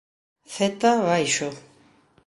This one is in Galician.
Z. Baixo.